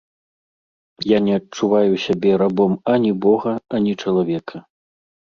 Я не адчуваю сябе рабом ані бога, ані чалавека.